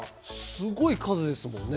すごい数ですもんね。